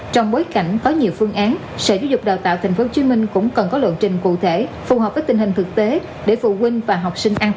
trong bối cảnh có nhiều phương án sở giáo dục đào tạo tp hcm cũng cần có lộ trình cụ thể phù hợp với tình hình thực tế để phụ huynh và học sinh an toàn